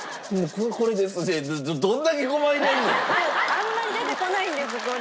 あんまり出てこないんですこれ。